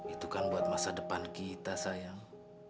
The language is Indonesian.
itu kan buat masa depan kita sayang